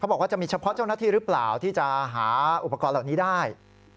บอกว่าจะมีเฉพาะเจ้าหน้าที่หรือเปล่าที่จะหาอุปกรณ์เหล่านี้ได้